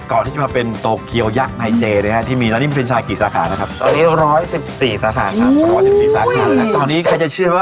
คือบางทีเราไม่ได้ทำนัดโดตับเต็มนี่เลย